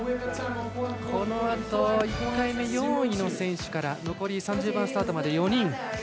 このあと１回目４位の選手から３０番スタートまで残り４人。